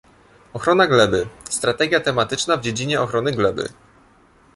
Ochrona gleby - Strategia tematyczna w dziedzinie ochrony gleby